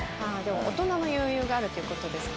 大人の余裕があるっていう事ですか？